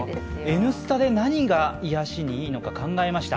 「Ｎスタ」で何が癒やしにいいのか考えました。